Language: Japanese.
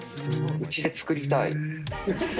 うちで作りたい。